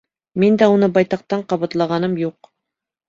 Мин дә уны байтаҡтан ҡабатлағаным юҡ.